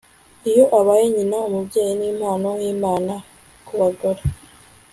iyo abaye nyina. umubyeyi nimpano yimana kubagore